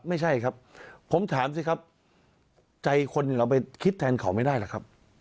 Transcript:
ไม่ใช่ครับผมถามสิครับใจคนเราไปคิดแทนเขาไม่ได้หรอกครับ